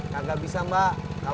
sampai jumpa lagi